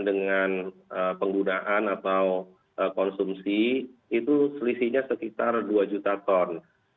dengan penggunaan atau konsumsi itu selisihnya sekitar dua juta ton